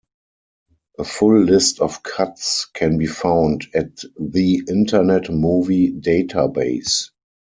A full list of cuts can be found at the Internet Movie Database.